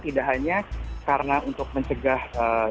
tidak hanya karena untuk mencegah